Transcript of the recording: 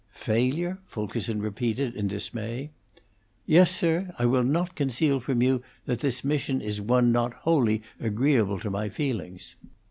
"Failure?" Fulkerson repeated, in dismay. "Yes, sir. I will not conceal from you that this mission is one not wholly agreeable to my feelings."